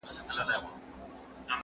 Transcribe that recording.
ته ولي سبزیجات وچوې؟